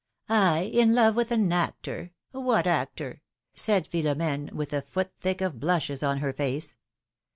in love with an actor! What actor?" said Philo m^ne, wdth a foot thick of blushes on her face.